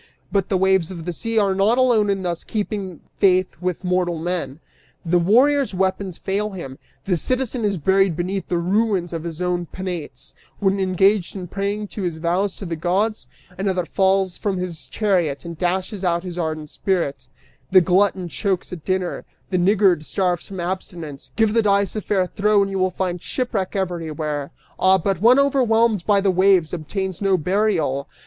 But the waves of the sea are not alone in thus keeping faith with mortal men: The warrior's weapons fail him; the citizen is buried beneath the ruins of his own penates, when engaged in paying his vows to the gods; another falls from his chariot and dashes out his ardent spirit; the glutton chokes at dinner; the niggard starves from abstinence. Give the dice a fair throw and you will find shipwreck everywhere! Ah, but one overwhelmed by the waves obtains no burial!